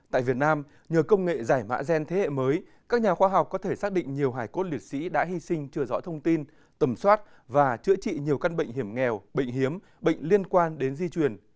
tại việt nam nhờ công nghệ giải mã gen thế hệ mới các nhà khoa học có thể xác định nhiều hải cốt liệt sĩ đã hy sinh chừa dõi thông tin tẩm soát và chữa trị nhiều căn bệnh hiểm nghèo bệnh hiếm bệnh liên quan đến di chuyển